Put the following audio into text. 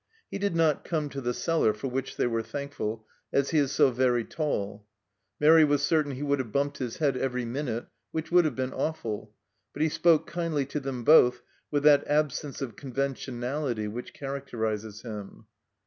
He did not come to the cellar, for which they were thankful, as he is so very tall. Mairi was certain he would have bumped his head " every minute," which would have been awful ; but he spoke kindly to them both, with that absence of conventionality which characterizes him.